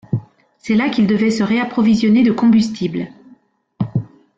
C’est là qu’il devait se réapprovisionner de combustible.